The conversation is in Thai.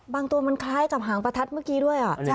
บางตัวมันคล้ายกับหางประทัดเมื่อกี้ด้วย